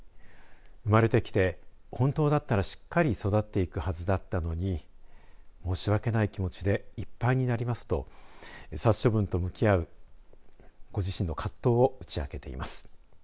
生まれてきて本当だったらしっかり育っていくはずだったのに申し訳ない気持ちでいっぱいになりますと殺処分と向き合うご自身の葛藤を打ち明けています。